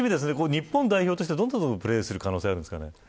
日本代表としてプレーする可能性があるんですかね。